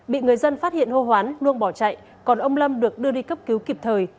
bị người dân phát hiện hô hoán luông bỏ chạy còn ông lâm được đưa đi cấp cứu kịp thời